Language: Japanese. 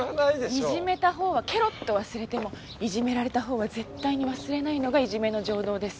いじめたほうはケロッと忘れてもいじめられたほうは絶対に忘れないのがいじめの常道です。